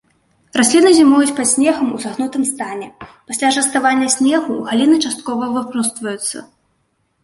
Расліны зімуюць пад снегам у сагнутым стане, пасля ж раставання снегу галіны часткова выпростваюцца.